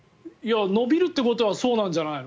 伸びるってことはそうなじゃないの？